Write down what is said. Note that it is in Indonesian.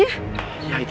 ya itu ya itu